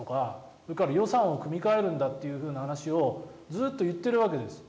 それから予算を組み替えるんだという話をずっと言ってるわけです。